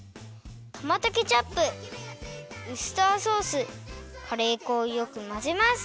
トマトケチャップウスターソースカレー粉をよくまぜます。